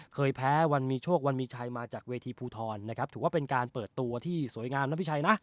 เคยแพ้วันมีโชควันมีชัยมาจากเวทีภูทรนะครับถือว่าเป็นการเปิดตัวที่สวยงามนะพี่ชัยนะ